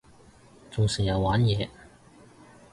仲成日玩嘢